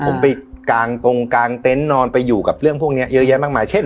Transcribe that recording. ผมไปกางตรงกลางเต็นต์นอนไปอยู่กับเรื่องพวกนี้เยอะแยะมากมายเช่น